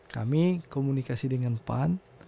kami komunikasi dengan pan